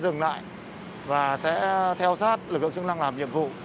nhưng ngày hôm đó có thể sẽ dừng lại và sẽ theo sát lực lượng chức năng làm nhiệm vụ